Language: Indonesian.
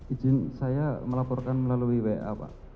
izin saya melaporkan melalui wa pak